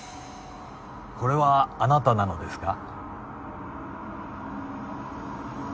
これはあなたなのですか？